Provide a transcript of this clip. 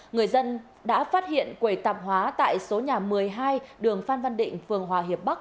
nguyễn quỳ tạp hóa tại số nhà một mươi hai đường phan văn định phường hòa hiệp bắc